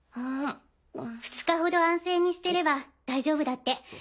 二日ほど安静にしてれば大丈夫だって。